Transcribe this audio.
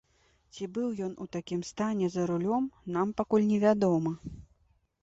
Ці быў ён у такім стане за рулём, нам пакуль не вядома.